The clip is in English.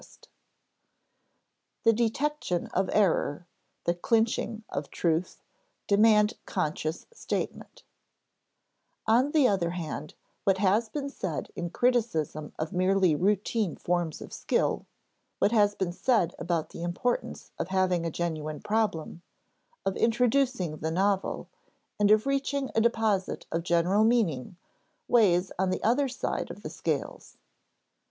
[Sidenote: The detection of error, the clinching of truth, demand conscious statement] On the other hand, what has been said in criticism of merely routine forms of skill, what has been said about the importance of having a genuine problem, of introducing the novel, and of reaching a deposit of general meaning weighs on the other side of the scales.